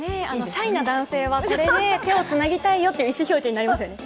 シャイな男性はこれで手をつなぎたいよという意思表示になりますよね。